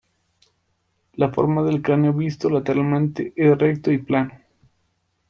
La forma del cráneo visto lateralmente es recto y plano.